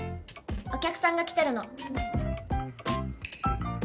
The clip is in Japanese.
お客さんが来てるの。